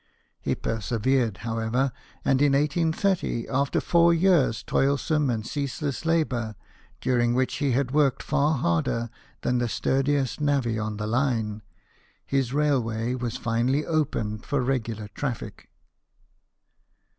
He persevered, however, and in 1830, after four years' toilsome and ceaseless labour, during which he had worked far harder than the sturdiest navvy on the line, his railway was finally opened for regular traffic.